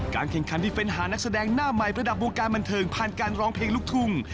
แข่งขันที่เป็นหานักแสดงหน้าใหม่ระดับวงการบันเทิงผ่านการร้องเพลงลูกทุ่ง